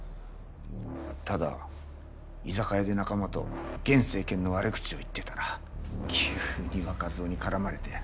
ただ居酒屋で仲間と現政権の悪口を言ってたら急に若造に絡まれて。